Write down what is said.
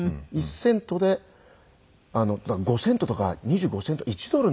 １セントでだから５セントとか２５セント１ドル